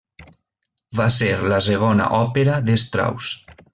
Va ser la segona òpera de Strauss.